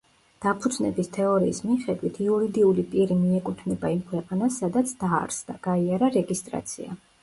დაფუძნების თეორიის მიხედვით, იურიდიული პირი მიეკუთვნება იმ ქვეყანას, სადაც დაარსდა, გაიარა რეგისტრაცია.